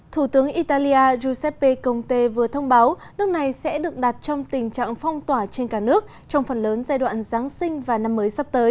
thủ tướng italia giuseppe conte vừa thông báo nước này sẽ được đặt trong tình trạng phong tỏa trên cả nước trong phần lớn giai đoạn giáng sinh và năm mới sắp tới